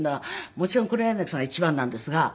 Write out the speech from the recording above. もちろん黒柳さんが一番なんですが。